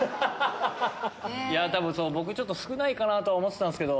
僕ちょっと少ないかなと思ってたんすけど。